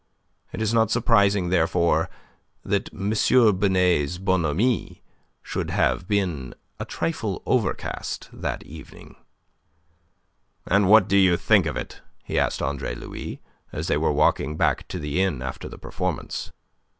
It is not surprising, therefore, that M. Binet's bonhomie should have been a trifle overcast that evening. "And what do you think of it?" he asked Andre Louis, as they were walking back to the inn after the performance.